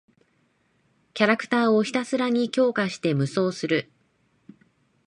キャラクターをひたすらに強化して無双する。